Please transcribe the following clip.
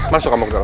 masuk kamu ke dalam